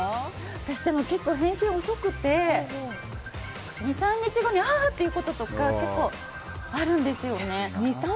私、結構返信が遅くて２３日後にあっ！ということとか結構あるんです。